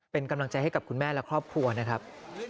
เป็นกำลังใจให้กับคุณแม่และครอบครัวนะครับ